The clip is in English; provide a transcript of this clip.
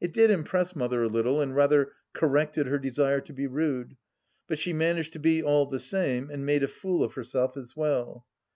It did impress Mother a little, and rather corrected her desire to be rude, but she managed to be, all the same, and made a fool of herself as well.